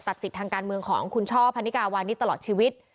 ผิดทางการเมืองของคุณช่อพนิกาวันนี้ตลอดชีวิต